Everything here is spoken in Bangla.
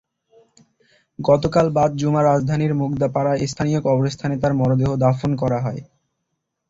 গতকাল বাদ জুমা রাজধানীর মুগদাপাড়ায় স্থানীয় কবরস্থানে তার মরদেহ দাফন করা হয়।